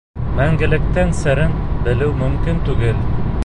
— Мәңгелектең серен белеү мөмкин түгел.